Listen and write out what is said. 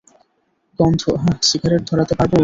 গন্ধ - হাহ সিগারেট ধরাতে পারবো?